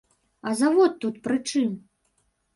А завод тут пры чым?